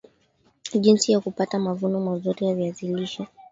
jinsi ya kupata mavuno mazuri ya viazi lishe